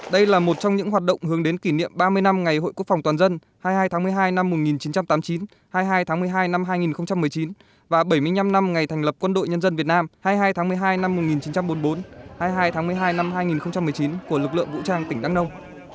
đây là một trong những hoạt động hướng đến kỷ niệm ba mươi năm ngày hội quốc phòng toàn dân hai mươi hai tháng một mươi hai năm một nghìn chín trăm tám mươi chín hai mươi hai tháng một mươi hai năm hai nghìn một mươi chín và bảy mươi năm năm ngày thành lập quân đội nhân dân việt nam hai mươi hai tháng một mươi hai năm một nghìn chín trăm bốn mươi bốn hai mươi hai tháng một mươi hai năm hai nghìn một mươi chín của lực lượng vũ trang tỉnh đắk nông